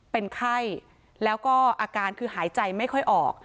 เป็นไข้แล้วก็อาการคือหายใจไม่ค่อยออก